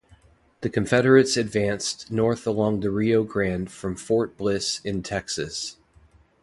The Confederates advanced north along the Rio Grande from Fort Bliss in Texas.